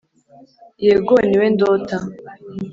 yego, niwe ndota